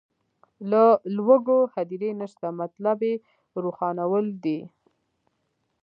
د لوږو هدیرې نشته مطلب یې روښانول دي.